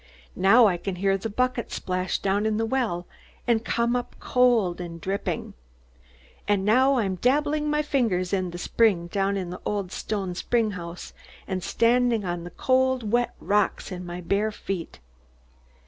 Now I can hear the bucket splash down in the well, and come up cold and dripping. And now I'm dabbling my fingers in the spring down in the old stone spring house, and standing on the cold, wet rocks in my bare feet.